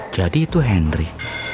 jadi itu henry